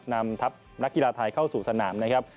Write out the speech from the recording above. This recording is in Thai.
นำทัพนักกีฬาไทยเข้าสู่สนามนะครับ